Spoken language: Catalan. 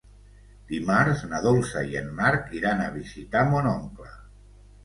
Dimarts na Dolça i en Marc iran a visitar mon oncle.